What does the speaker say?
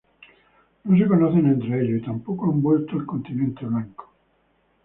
No se conocen entre ellos y tampoco han vuelto al continente blanco.